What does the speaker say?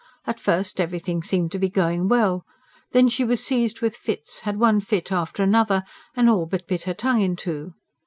At first everything seemed to be going well; then she was seized with fits, had one fit after another, and all but bit her tongue in two.